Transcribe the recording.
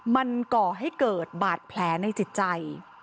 มันก่อให้เกิดบาดแผลในจิตใจ